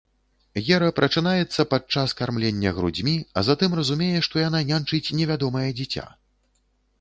Гера прачынаецца падчас кармлення грудзьмі, а затым разумее, што яна няньчыць невядомае дзіця.